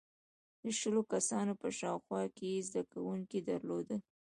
• د شلو کسانو په شاوخوا کې یې زدهکوونکي درلودل.